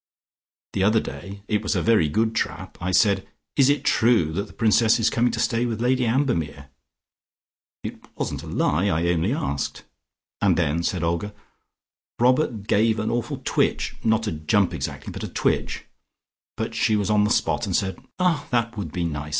The other day it was a very good trap I said, 'Is it true that the Princess is coming to stay with Lady Ambermere?' It wasn't a lie: I only asked." "And then?" said Olga. "Robert gave an awful twitch, not a jump exactly, but a twitch. But she was on the spot and said, 'Ah, that would be nice.